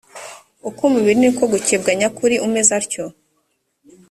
uk umubiri ni ko gukebwa nyakuri umeze atyo